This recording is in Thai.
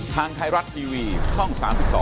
ทางไทยรัฐทีวีช่อง๓๒